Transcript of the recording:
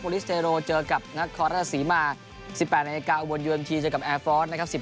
ลิสเตโรเจอกับนครราชศรีมา๑๘นาฬิกาอุบลยูเอ็มทีเจอกับแอร์ฟอร์สนะครับ